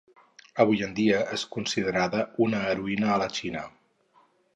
Avui en dia és considerada una heroïna a la Xina.